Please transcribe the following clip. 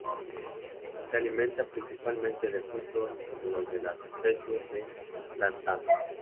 Se alimenta principalmente de frutos, como los de las especies de "Lantana".